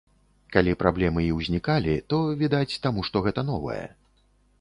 Калі праблемы і ўзнікалі, то, відаць, таму што гэта новае.